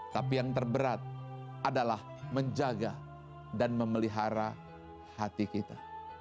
tapi yang terberat adalah menjaga dan memelihara hati kita